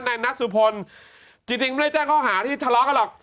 นายนัทสุพลจริงไม่ได้แจ้งข้อหาที่ทะเลาะกันหรอก